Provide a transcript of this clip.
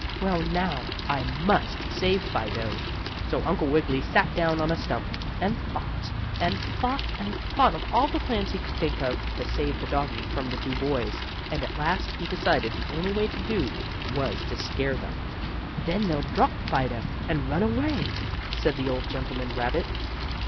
Well, now I must save Fido." So Uncle Wiggily sat down on a stump, and thought, and thought, and thought of all the plans he could think of, to save the doggie from the two boys, and at last he decided the only way to do was to scare them. "Then they'll drop Fido, and run away," said the old gentleman rabbit.